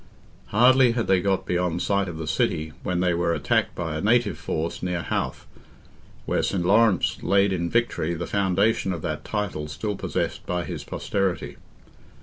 Hardly had they got beyond sight of the city, when they were attacked by a native force, near Howth, where Saint Laurence laid in victory the foundation of that title still possessed by his posterity.